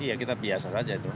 ya kita biasa saja itu